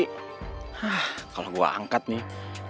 nah kalau gue angkat nih